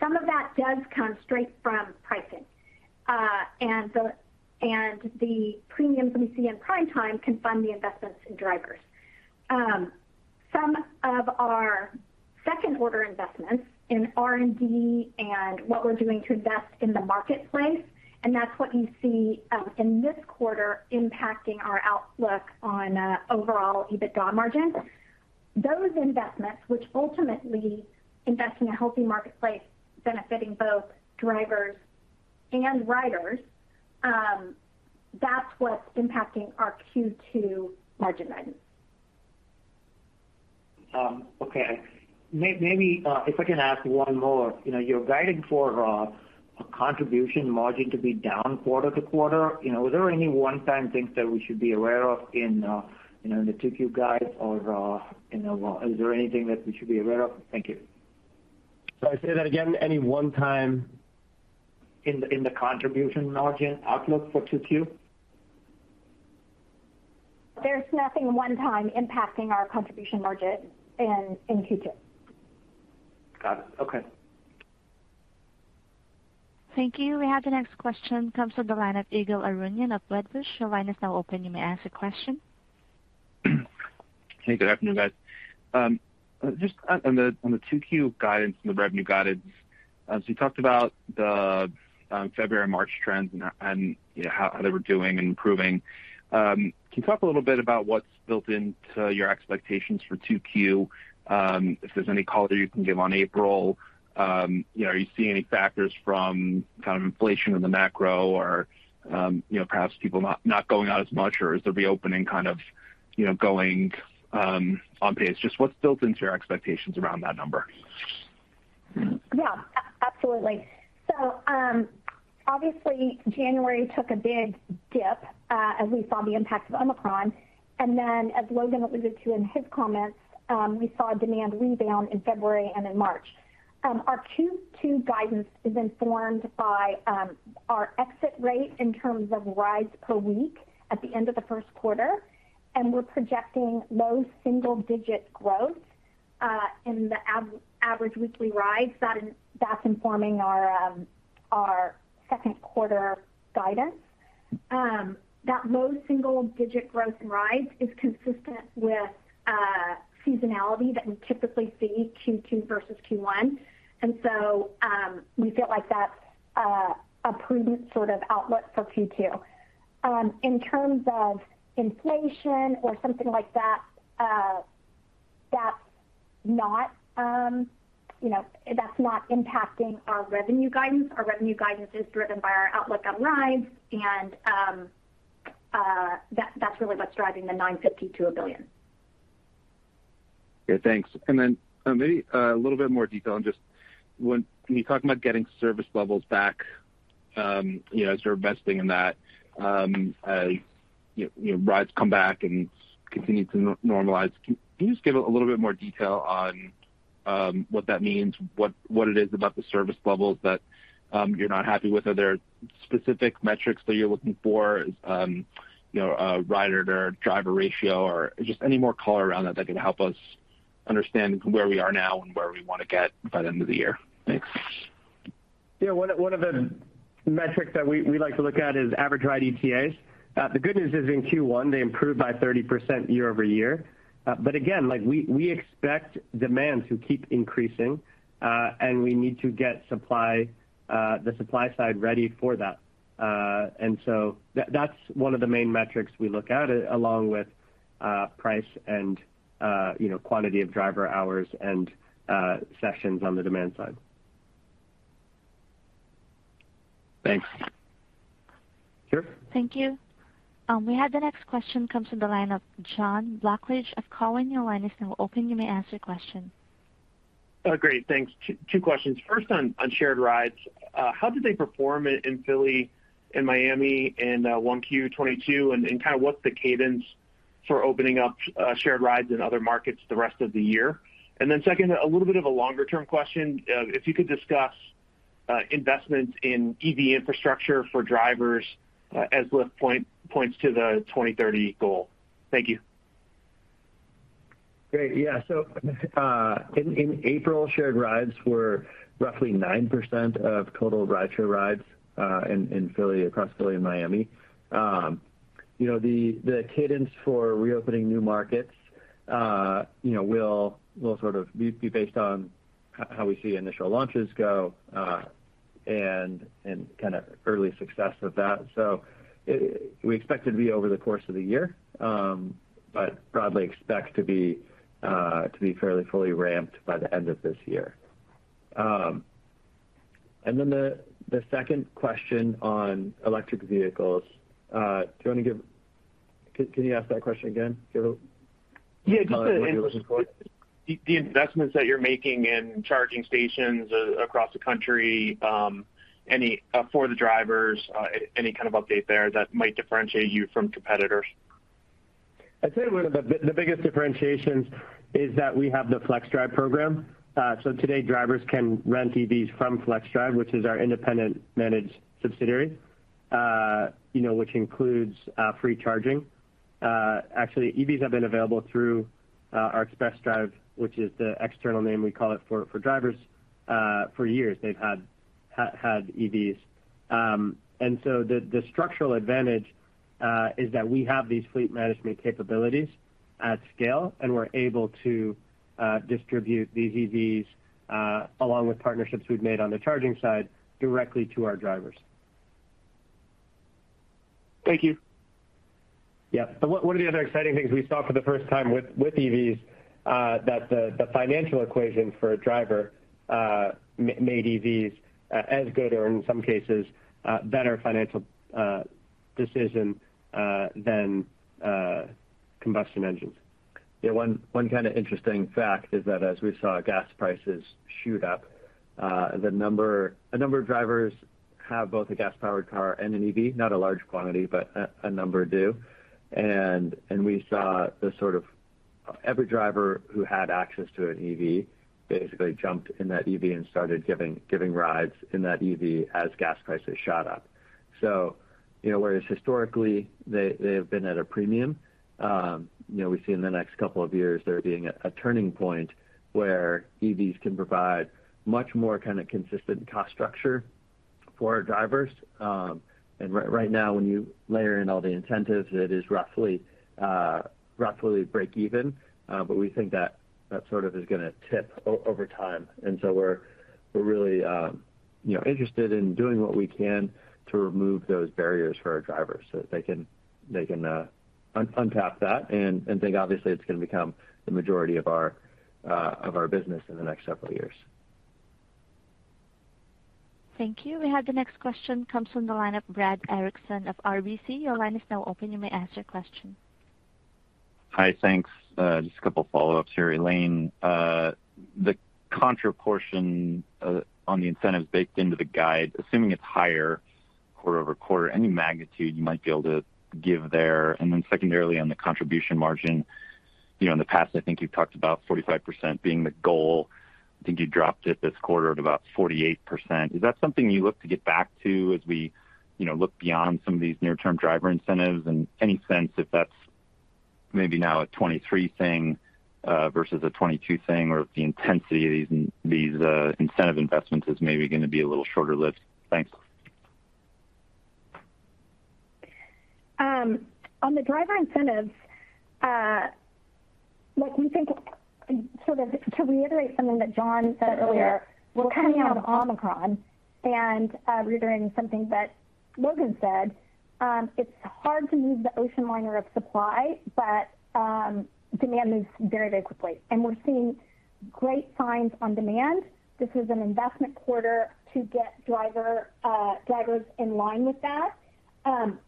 [SPEAKER 4] some of that does come straight from pricing. The premiums we see in Prime Time can fund the investments in drivers. Some of our second order investments in R&D and what we're doing to invest in the marketplace, that's what you see in this quarter impacting our outlook on overall EBITDA margin. Those investments, which ultimately invest in a healthy marketplace benefiting both drivers and riders, that's what's impacting our Q2 margin then.
[SPEAKER 10] Okay. Maybe if I can ask one more. You know, you're guiding for a contribution margin to be down quarter to quarter. You know, are there any one-time things that we should be aware of in the 2Q guides or is there anything that we should be aware of? Thank you.
[SPEAKER 5] Sorry, say that again. Any one time? In the contribution margin outlook for 2Q.
[SPEAKER 4] There's nothing one-time impacting our contribution margin in Q2.
[SPEAKER 10] Got it. Okay.
[SPEAKER 1] Thank you. We have the next question comes from the line of Ygal Arounian of Wedbush. Your line is now open. You may ask a question.
[SPEAKER 11] Hey, good afternoon, guys. Just on the 2Q guidance and the revenue guidance, so you talked about the February and March trends and, you know, how they were doing and improving. Can you talk a little bit about what's built into your expectations for 2Q? If there's any color you can give on April? You know, are you seeing any factors from kind of inflation in the macro or, you know, perhaps people not going out as much or is the reopening kind of, you know, going on pace? Just what's built into your expectations around that number?
[SPEAKER 4] Absolutely. Obviously January took a big dip, as we saw the impact of Omicron. As Logan alluded to in his comments, we saw demand rebound in February and in March. Our Q2 guidance is informed by our exit rate in terms of rides per week at the end of the first quarter, and we're projecting low single digit growth in the average weekly rides. That's informing our second quarter guidance. That low single digit growth in rides is consistent with seasonality that we typically see Q2 versus Q1. We feel like that's a prudent sort of outlook for Q2. In terms of inflation or something like that's not, you know, that's not impacting our revenue guidance. Our revenue guidance is driven by our outlook on rides and that's really what's driving the $950 million-$1 billion.
[SPEAKER 11] Yeah, thanks. Maybe a little bit more detail on just when you talk about getting service levels back, you know, as you're investing in that, you know, rides come back and continue to normalize. Can you just give a little bit more detail on what that means? What it is about the service levels that you're not happy with? Are there specific metrics that you're looking for? You know, a rider to driver ratio or just any more color around that that can help us understand where we are now and where we want to get by the end of the year? Thanks.
[SPEAKER 5] Yeah. One of the metrics that we like to look at is average ride ETAs. The good news is in Q1, they improved by 30% year-over-year. Again, like we expect demand to keep increasing, and we need to get the supply side ready for that. That's one of the main metrics we look at along with price and, you know, quantity of driver hours and sessions on the demand side.
[SPEAKER 11] Thanks.
[SPEAKER 5] Sure.
[SPEAKER 1] Thank you. We have the next question comes from the line of John Blackledge of Cowen. Your line is now open, you may ask your question.
[SPEAKER 12] Great. Thanks. Two questions. First on shared rides. How did they perform in Philly and Miami in 1Q22, and kind of what's the cadence for opening up shared rides in other markets the rest of the year? Second, a little bit of a longer-term question. If you could discuss investments in EV infrastructure for drivers, as Lyft points to the 2030 goal. Thank you.
[SPEAKER 5] Great. Yeah. In April, shared rides were roughly 9% of total rideshare rides, in Philly, across Philly and Miami. You know, the cadence for reopening new markets, you know, will sort of be based on how we see initial launches go, and kind of early success of that. We expect it to be over the course of the year, but broadly expect to be fairly fully ramped by the end of this year. And then the second question on electric vehicles. Do you want to give. Can you ask that question again? Do you have a-
[SPEAKER 12] Yeah, just the investments that you're making in charging stations across the country, any for the drivers, any kind of update there that might differentiate you from competitors?
[SPEAKER 5] I'd say one of the biggest differentiations is that we have the Flexdrive program. Today, drivers can rent EVs from Flexdrive, which is our independently managed subsidiary, you know, which includes free charging. Actually, EVs have been available through our Express Drive, which is the external name we call it for drivers. For years, they've had EVs. The structural advantage is that we have these fleet management capabilities at scale, and we're able to distribute these EVs along with partnerships we've made on the charging side directly to our drivers.
[SPEAKER 12] Thank you.
[SPEAKER 5] Yeah. One of the other exciting things we saw for the first time with EVs that the financial equation for a driver made EVs as good or in some cases better financial decision than combustion engines. Yeah. One kind of interesting fact is that as we saw gas prices shoot up, a number of drivers have both a gas-powered car and an EV. Not a large quantity, but a number do. We saw sort of every driver who had access to an EV basically jumped in that EV and started giving rides in that EV as gas prices shot up. You know, whereas historically they have been at a premium, you know, we see in the next couple of years there being a turning point where EVs can provide much more kind of consistent cost structure for our drivers. Right now, when you layer in all the incentives, it is roughly break even. We think that sort of is gonna tip over time. We're really, you know, interested in doing what we can to remove those barriers for our drivers so that they can untap that and think obviously it's gonna become the majority of our business in the next several years.
[SPEAKER 1] Thank you. We have the next question comes from the line of Brad Erickson of RBC. Your line is now open. You may ask your question.
[SPEAKER 13] Hi. Thanks. Just a couple follow-ups here. Elaine, the contra portion on the incentives baked into the guide, assuming it's higher quarter-over-quarter, any magnitude you might be able to give there. Then secondarily on the contribution margin, you know, in the past, I think you've talked about 45% being the goal. I think you dropped it this quarter at about 48%. Is that something you look to get back to as we, you know, look beyond some of these near-term driver incentives? Any sense if that's maybe now a 2023 thing versus a 2022 thing or if the intensity of these incentive investments is maybe gonna be a little shorter-lived? Thanks.
[SPEAKER 4] On the driver incentives, look, we think sort of to reiterate something that John said earlier, we're coming out of Omicron and, reiterating something that Logan said, it's hard to move the ocean liner of supply, but, demand moves very, very quickly. We're seeing great signs on demand. This is an investment quarter to get drivers in line with that.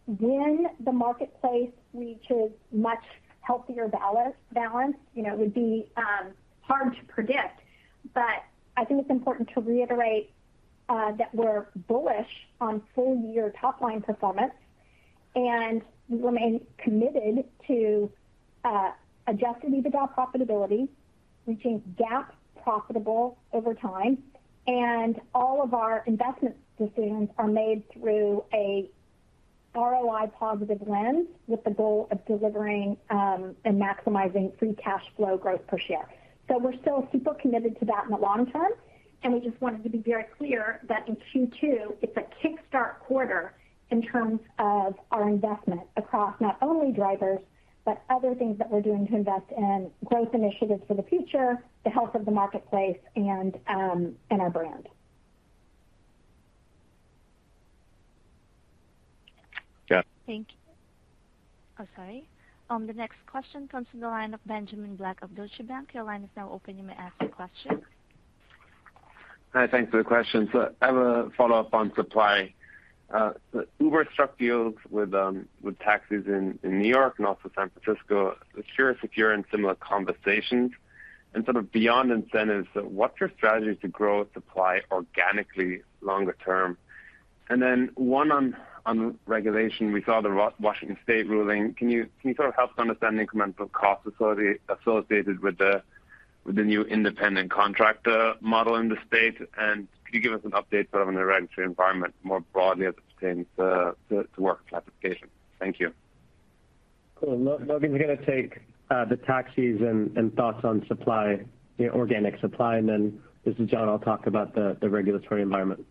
[SPEAKER 4] When the marketplace reaches much healthier balance, you know, it would be hard to predict. But I think it's important to reiterate that we're bullish on full-year top-line performance, and we remain committed to adjusted EBITDA profitability, reaching GAAP profitable over time. All of our investment decisions are made through ROI positive lens with the goal of delivering and maximizing free cash flow growth per share. We're still super committed to that in the long term, and we just wanted to be very clear that in Q2, it's a kickstart quarter in terms of our investment across not only drivers, but other things that we're doing to invest in growth initiatives for the future, the health of the marketplace and our brand.
[SPEAKER 13] Yeah.
[SPEAKER 1] Thank you. The next question comes from the line of Benjamin Black of Deutsche Bank. Your line is now open, you may ask your question.
[SPEAKER 14] Hi, thanks for the question. I have a follow-up on supply. Uber struck deals with taxis in New York and also San Francisco. Just curious if you're in similar conversations. Sort of beyond incentives, what's your strategy to grow supply organically longer term? Then one on regulation. We saw the Washington State ruling. Can you sort of help us understand the incremental cost associated with the new independent contractor model in the state? Could you give us an update sort of on the regulatory environment more broadly as it pertains to work classification? Thank you.
[SPEAKER 5] Cool. Logan's gonna take the taxis and thoughts on supply, you know, organic supply, and then this is John, I'll talk about the regulatory environment.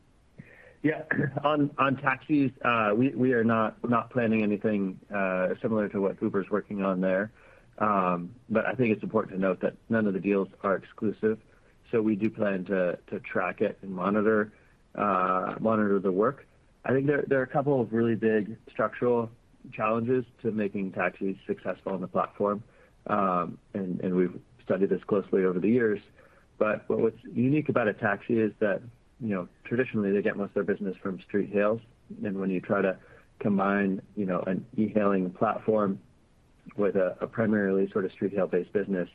[SPEAKER 3] Yeah. On taxis, we are not planning anything similar to what Uber's working on there. I think it's important to note that none of the deals are exclusive, so we do plan to track it and monitor the work. I think there are a couple of really big structural challenges to making taxis successful on the platform, and we've studied this closely over the years. What's unique about a taxi is that, you know, traditionally, they get most of their business from street hails, and when you try to combine, you know, an e-hailing platform with a primarily sort of street hail-based business,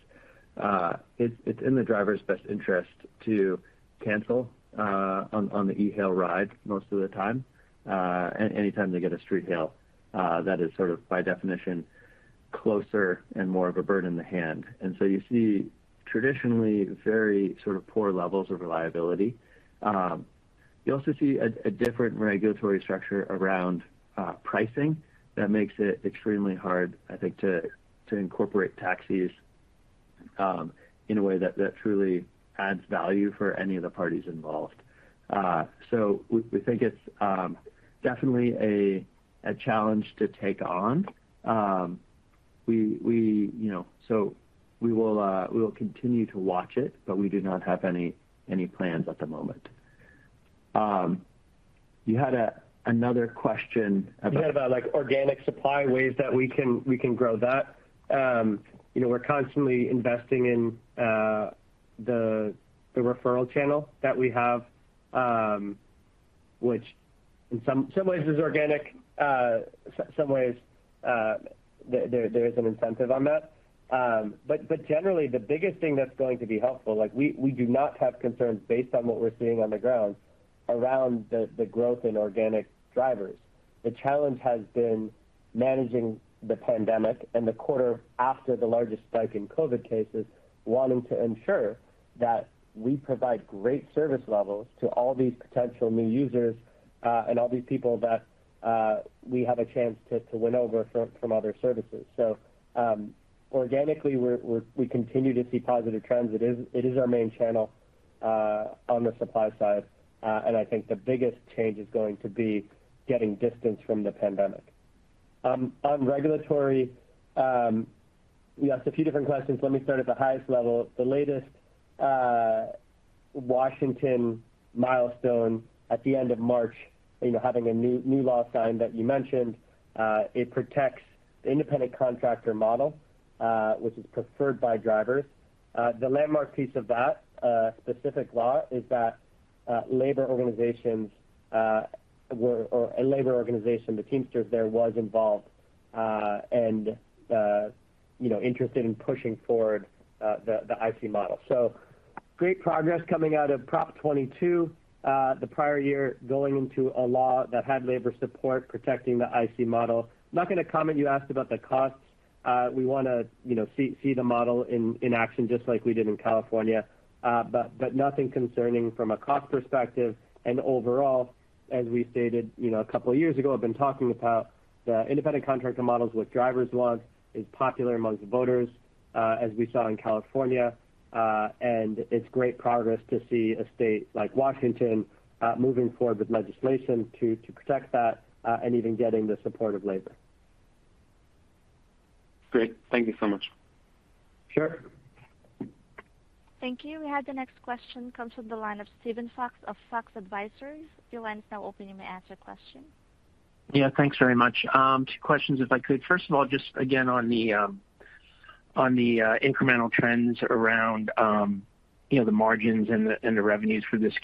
[SPEAKER 3] it's in the driver's best interest to cancel on the e-hail ride most of the time, anytime they get a street hail, that is sort of by definition closer and more of a bird in the hand. So you see traditionally very sort of poor levels of reliability. You also see a different regulatory structure around pricing that makes it extremely hard, I think, to incorporate taxis in a way that truly adds value for any of the parties involved. We think it's definitely a challenge to take on. We will continue to watch it, but we do not have any plans at the moment. You had another question about, like, organic supply, ways that we can grow that. You know, we're constantly investing in the referral channel that we have, which in some ways is organic, some ways there is an incentive on that. Generally, the biggest thing that's going to be helpful, like we do not have concerns based on what we're seeing on the ground around the growth in organic drivers. The challenge has been managing the pandemic and the quarter after the largest spike in COVID-19 cases, wanting to ensure that we provide great service levels to all these potential new users, and all these people that we have a chance to win over from other services. Organically, we continue to see positive trends. It is our main channel on the supply side. I think the biggest change is going to be getting distance from the pandemic. On regulatory, you asked a few different questions. Let me start at the highest level. The latest Washington milestone at the end of March, you know, having a new law signed that you mentioned, it protects the independent contractor model, which is preferred by drivers. The landmark piece of that specific law is that labor organizations or a labor organization, the Teamsters there was involved, and you know interested in pushing forward the IC model. Great progress coming out of Prop 22 the prior year, going into a law that had labor support protecting the IC model. I'm not gonna comment, you asked about the costs. We wanna, you know, see the model in action just like we did in California. Nothing concerning from a cost perspective. Overall, as we stated, you know, a couple of years ago, have been talking about the independent contractor models, what drivers want, is popular amongst voters, as we saw in California. It's great progress to see a state like Washington moving forward with legislation to protect that and even getting the support of labor.
[SPEAKER 14] Great. Thank you so much.
[SPEAKER 3] Sure.
[SPEAKER 1] Thank you. We have the next question comes from the line of Steven Fox of Fox Advisors. Your line is now open, you may ask your question.
[SPEAKER 15] Yeah. Thanks very much. Two questions if I could. First of all, just again on the incremental trends around, you know, the margins and the revenues for this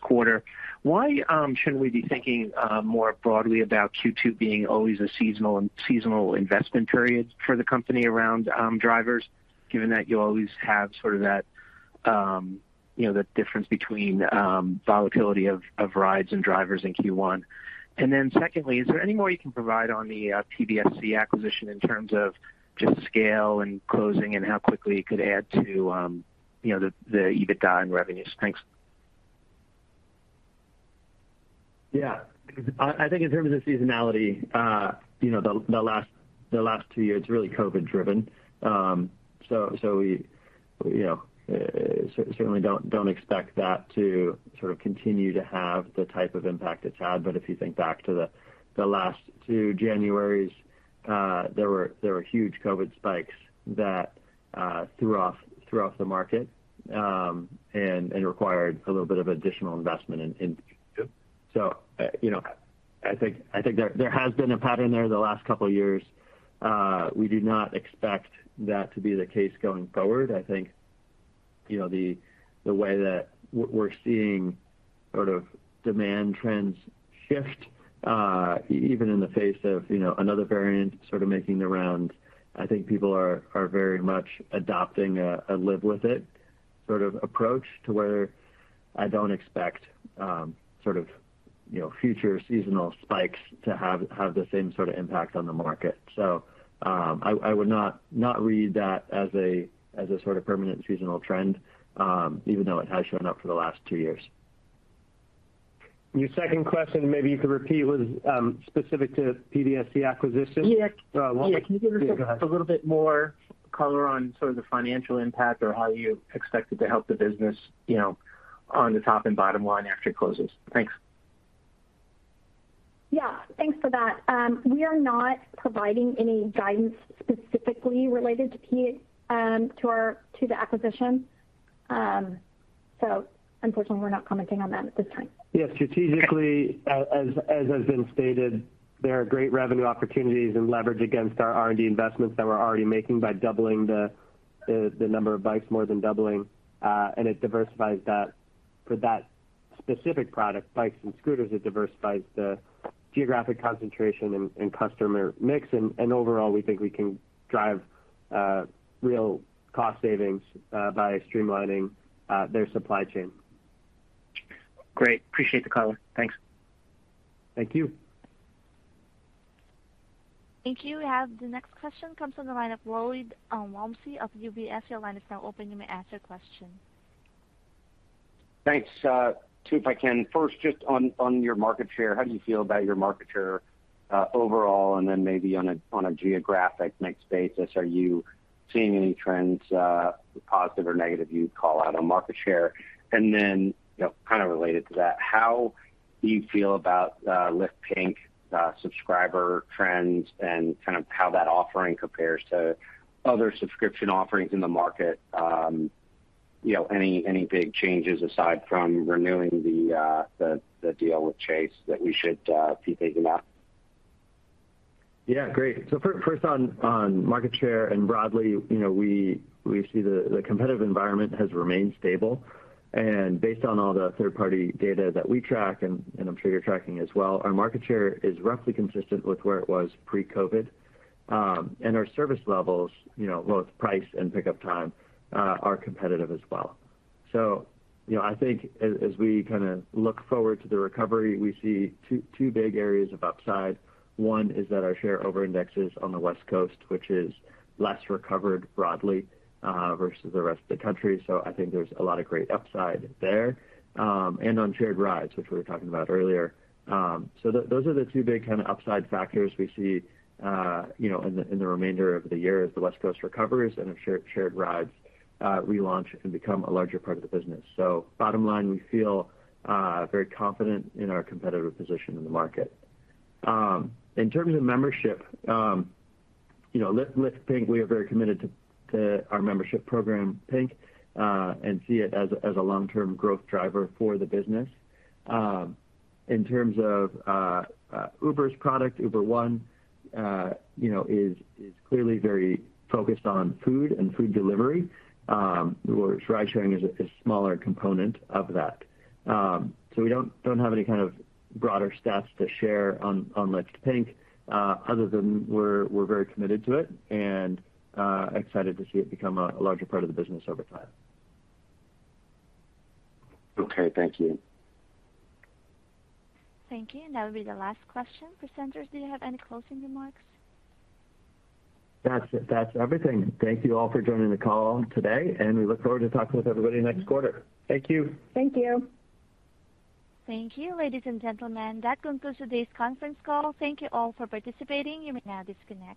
[SPEAKER 15] quarter. Why shouldn't we be thinking more broadly about Q2 being always a seasonal investment period for the company around drivers, given that you always have sort of that, you know, the difference between volatility of rides and drivers in Q1? And then secondly, is there any more you can provide on the PBSC acquisition in terms of just scale and closing and how quickly it could add to, you know, the EBITDA and revenues? Thanks.
[SPEAKER 3] I think in terms of seasonality, the last two years it's really COVID-19 driven. We certainly don't expect that to sort of continue to have the type of impact it's had. If you think back to the last two Januaries, there were huge COVID-19 spikes that threw off the market and required a little bit of additional investment. I think there has been a pattern there the last couple years. We do not expect that to be the case going forward. I think, you know, the way that we're seeing sort of demand trends shift, even in the face of, you know, another variant sort of making the rounds. I think people are very much adopting a live with it sort of approach to where I don't expect, sort of, you know, future seasonal spikes to have the same sort of impact on the market. I would not read that as a sort of permanent seasonal trend, even though it has shown up for the last two years.
[SPEAKER 5] Your second question, maybe you could repeat, was specific to PBSC acquisition?
[SPEAKER 15] Yeah.
[SPEAKER 5] Go ahead.
[SPEAKER 15] Can you give us a little bit more color on sort of the financial impact or how you expect it to help the business, you know, on the top and bottom line after it closes? Thanks.
[SPEAKER 4] Thanks for that. We are not providing any guidance specifically related to the acquisition. Unfortunately, we're not commenting on that at this time.
[SPEAKER 3] Yeah. Strategically, as has been stated, there are great revenue opportunities and leverage against our R&D investments that we're already making by doubling the number of bikes, more than doubling. It diversifies that, for that specific product, bikes and scooters, it diversifies the geographic concentration and customer mix. Overall we think we can drive real cost savings by streamlining their supply chain.
[SPEAKER 15] Great. Appreciate the color. Thanks.
[SPEAKER 3] Thank you.
[SPEAKER 1] Thank you. We have the next question comes from the line of Lloyd Walmsley of UBS. Your line is now open, you may ask your question.
[SPEAKER 16] Thanks. Two if I can. First, just on your market share, how do you feel about your market share overall, and then maybe on a geographic mix basis? Are you seeing any trends positive or negative you'd call out on market share? You know, kind of related to that, how do you feel about Lyft Pink subscriber trends and kind of how that offering compares to other subscription offerings in the market? You know, any big changes aside from renewing the deal with Chase that we should be thinking about?
[SPEAKER 3] Yeah. Great. First on market share and broadly, you know, we see the competitive environment has remained stable. Based on all the third-party data that we track, and I'm sure you're tracking as well, our market share is roughly consistent with where it was pre-COVID. Our service levels, you know, both price and pickup time, are competitive as well. You know, I think as we kind of look forward to the recovery, we see two big areas of upside. One is that our share over-indexes on the West Coast, which is less recovered broadly, versus the rest of the country. I think there's a lot of great upside there. On shared rides, which we were talking about earlier. Those are the two big kind of upside factors we see, you know, in the remainder of the year as the West Coast recovers and if shared rides relaunch and become a larger part of the business. Bottom line, we feel very confident in our competitive position in the market. In terms of membership, you know, Lyft Pink, we are very committed to our membership program, Pink, and see it as a long-term growth driver for the business. In terms of Uber's product, Uber One, you know, is clearly very focused on food and food delivery. Whereas ride-sharing is a smaller component of that. We don't have any kind of broader stats to share on Lyft Pink, other than we're very committed to it and excited to see it become a larger part of the business over time.
[SPEAKER 16] Okay. Thank you.
[SPEAKER 1] Thank you. That'll be the last question. Presenters, do you have any closing remarks?
[SPEAKER 3] That's everything. Thank you all for joining the call today, and we look forward to talking with everybody next quarter.
[SPEAKER 5] Thank you.
[SPEAKER 4] Thank you.
[SPEAKER 1] Thank you. Ladies and gentlemen, that concludes today's conference call. Thank you all for participating. You may now disconnect.